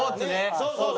そうそう！